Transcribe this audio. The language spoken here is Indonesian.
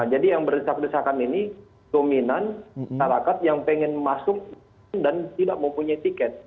yang berdesak desakan ini dominan masyarakat yang pengen masuk dan tidak mempunyai tiket